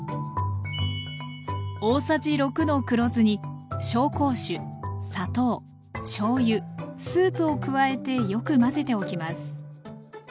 大さじ６の黒酢に紹興酒砂糖しょうゆスープを加えてよく混ぜておきます。